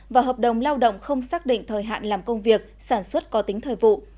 và hợp đồng lao động không xác định thời hạn làm công việc sản xuất có tính thời vụ